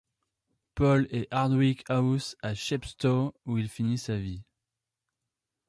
Paul et Hardwick House à Chepstow où il finit sa vie.